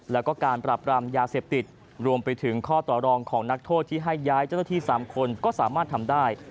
แล้วก็การปรับรามยาเสพติดรวมไปถึงข้อต่อรองของนักโทษที่ให้ย้ายเจ้าหน้าที่๓คนก็สามารถทำได้